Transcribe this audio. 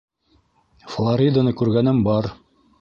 Флориданы күргәнем бар.